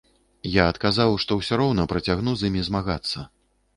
Я адказаў, што ўсё роўна працягну з імі змагацца.